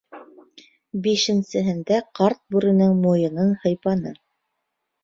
Бишенсеһендә ҡарт бүренең муйынын һыйпаны.